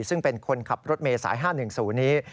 ซึ่งเป็นคนขับรถเมย์สาย๕๑๐นี้